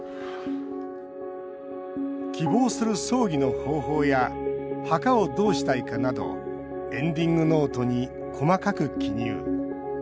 希望する葬儀の方法や墓をどうしたいかなどエンディングノートに細かく記入。